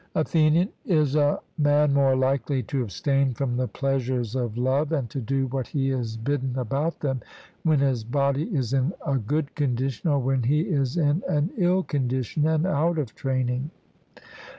ATHENIAN: Is a man more likely to abstain from the pleasures of love and to do what he is bidden about them, when his body is in a good condition, or when he is in an ill condition, and out of training?